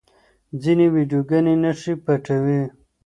ځینې ویډیوګانې نښې پټوي.